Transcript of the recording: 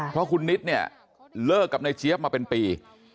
เพราะคุณนิดเนี่ยเลิกกับนายเจี๊ยบมาเป็นปี